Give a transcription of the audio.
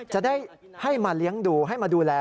จะได้ให้มาเลี้ยงดูให้มาดูแล